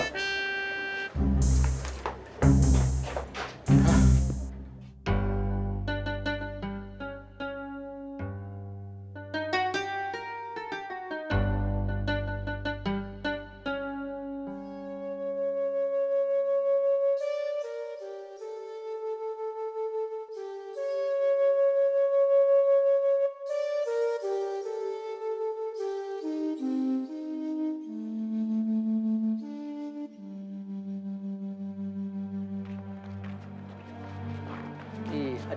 udah lah bang